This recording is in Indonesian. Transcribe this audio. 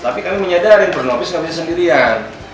tapi kami menyadari front office tidak bisa sendirian